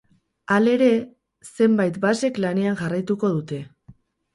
Halere, zenbait basek lanean jarraituko dute.